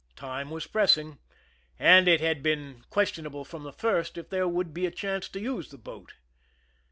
Time was pressing, and it had been ques tionable from the first if there would be a chance to use the boat.